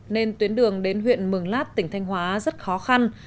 nên tuyến đường đến huyện mường lát tỉnh thanh hóa rất khó khăn